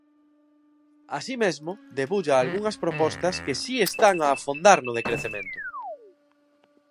Así mesmo, debulla algunhas propostas que si están a afondar no decrecemento.